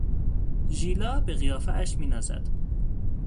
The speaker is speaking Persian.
ژیلا به قیافهاش مینازد.